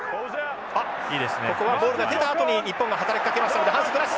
あっここはボールが出たあとに日本が働きかけましたので反則なし！